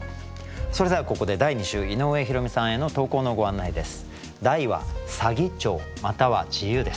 それではここで第２週井上弘美さんへの投稿のご案内です。